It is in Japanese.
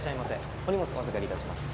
お荷物お預かりいたします。